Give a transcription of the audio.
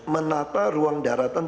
menata ruang daratan